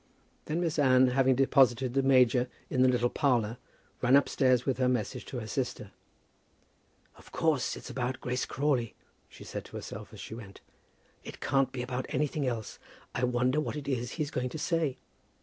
Then Miss Anne, having deposited the major in the little parlour, ran upstairs with her message to her sister. "Of course it's about Grace Crawley," she said to herself as she went. "It can't be about anything else. I wonder what it is he's going to say.